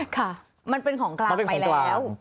ค่ะมันเป็นของกลางไปแล้ว